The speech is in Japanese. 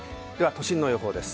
都心の予報です。